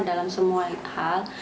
dalam semua hal